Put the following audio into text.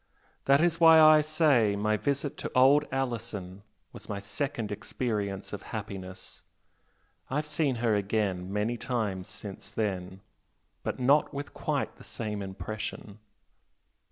That is why I say my visit to old Alison was my second experience of happiness. I've seen her again many times since then, but not with quite the same impression."